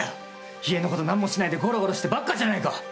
家の事なんもしないでゴロゴロしてばっかじゃないか！